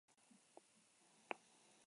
Baduzue bestelako proiekturik elkarrekin?